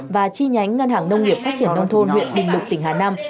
và chi nhánh ngân hàng nông nghiệp phát triển nông thôn huyện bình lục tỉnh hà nam